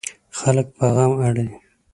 خلک په غم اړوي.